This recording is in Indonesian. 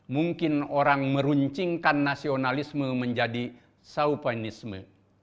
mungkin orang meruncingkan nasionalisme menjadi saupanisme